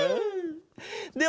では